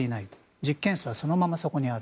実験室はそのままそこにある。